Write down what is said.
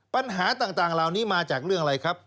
ปัญหาต่างเหล่านี้มาจากเรื่องอะไรครับ